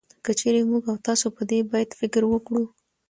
که چېرې موږ او تاسو په دې بيت فکر وکړو